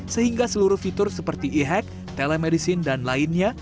sehingga seluruh fitur seperti e hack telemedicine dan lainnya